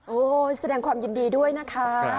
โอ้โหแสดงความยินดีด้วยนะคะ